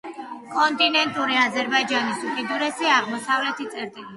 კონტინენტური აზერბაიჯანის უკიდურესი აღმოსავლეთი წერტილი.